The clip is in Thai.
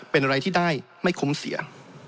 เป็นอะไรที่ได้ไม่คุ้มเสีย